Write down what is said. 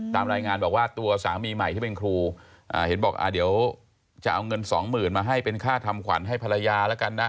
ตามรายงานบอกว่าตัวสามีใหม่ที่เป็นครูเห็นบอกเดี๋ยวจะเอาเงินสองหมื่นมาให้เป็นค่าทำขวัญให้ภรรยาแล้วกันนะ